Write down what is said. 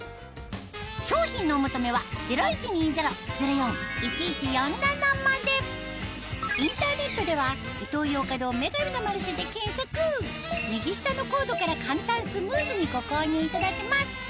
商品のお求めはインターネットでは右下のコードから簡単スムーズにご購入いただけます